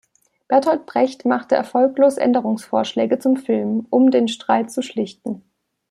Bertolt Brecht machte erfolglos Änderungsvorschläge zum Film, um den Streit zu schlichten.